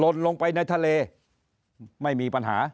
ลงไปในทะเลไม่มีปัญหา